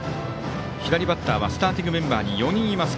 左バッターはスターティングメンバーに４人います。